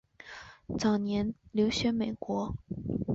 早年留学美国。